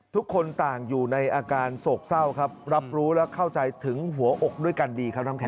ทุกคนต่างอยู่ในอาการโศกเศร้าครับรับรู้และเข้าใจถึงหัวอกด้วยกันดีครับน้ำแข